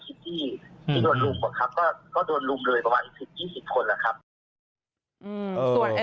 ที่โดนลุ่มก็โดนลุ่มเลยประมาณ๒๐คนอ่ะครับ